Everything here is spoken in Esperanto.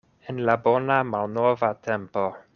En la bona malnova tempo.